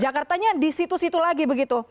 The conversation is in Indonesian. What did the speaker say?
jakartanya di situ situ lagi begitu